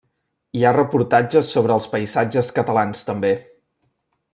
Hi ha reportatges sobre els paisatges catalans també.